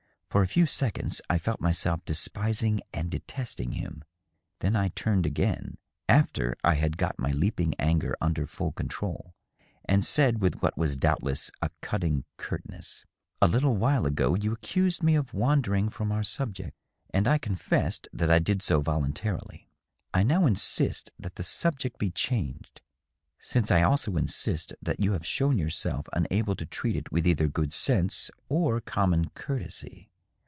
For a few seconds I felt myself despising and detesting him. Then I turned again, after I had got my leaping anger under full control, and said with what was doubt less a cutting curtness, —" A little while ago you accused me of wandering from our subject, and I confessed that I did so voluntarily. I now insist that the sub ject be changed, since I also iasist that you have shown yourself unable to treat it with either good sense or common courtesy.